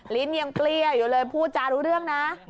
ลิ้นยังเปรี้ยวอยู่เลยพูดจารู้เรื่องนะ